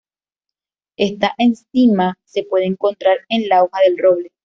Esta enzima se puede encontrar en la hoja del roble.